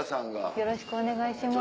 よろしくお願いします。